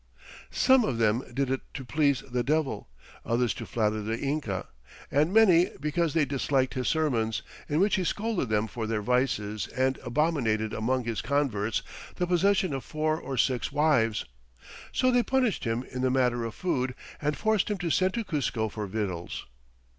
Some of them did it to please the Devil, others to flatter the Inca, and many because they disliked his sermons, in which he scolded them for their vices and abominated among his converts the possession of four or six wives. So they punished him in the matter of food, and forced him to send to Cuzco for victuals.